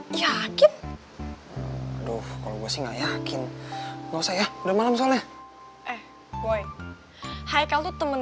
hai yakin aduh kalau gue sih nggak yakin nggak usah ya udah malam soalnya eh boy hai kalau temen